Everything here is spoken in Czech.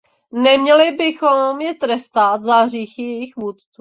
Neměli bychom je trestat za hříchy jejich vůdců.